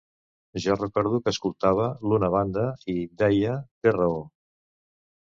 Jo recordo que escoltava l’una banda i deia: té raó.